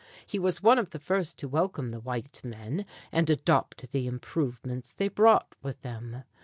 He was one of the first to welcome the white men and adopt the improvements they brought with them.